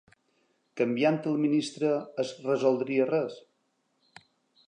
Canviant el ministre es resoldria res?